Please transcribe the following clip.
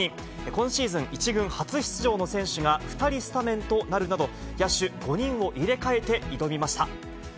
今シーズン１軍初出場の選手が２人スタメンとなるなど、野手５人を入れ替えて挑みました。